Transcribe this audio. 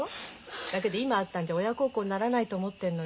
だけど今会ったんじゃ親孝行にならないと思ってんのよ。